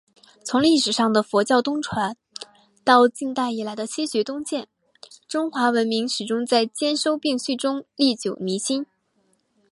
从历史上的佛教东传……到近代以来的“西学东渐”……中华文明始终在兼收并蓄中历久弥新。